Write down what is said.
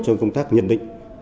cho công tác nhận định